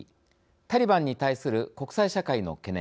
タリバンに対する国際社会の懸念。